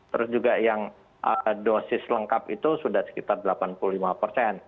terus juga yang dosis lengkap itu sudah sekitar delapan puluh lima persen